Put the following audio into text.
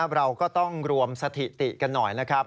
เราก็ต้องรวมสถิติกันหน่อยนะครับ